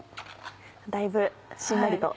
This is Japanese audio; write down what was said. だいぶしんなりと。